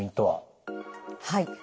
はい。